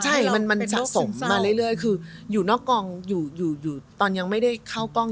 ใช่มันมันจักษมมาเรื่อยเรื่อยคืออยู่นอกกองอยู่อยู่อยู่ตอนยังไม่ได้เข้ากล้อง